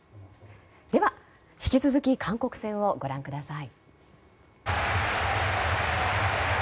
では、引き続き韓国戦をご覧ください。